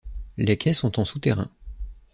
Les quais sont en souterrains.